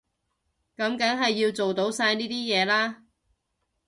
噉梗係要做到晒呢啲嘢啦